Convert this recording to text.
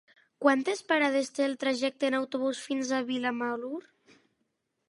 Quantes parades té el trajecte en autobús fins a Vilamalur?